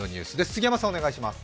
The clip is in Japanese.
杉山さん、お願いします。